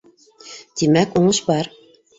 Тимәк, уңыш бар!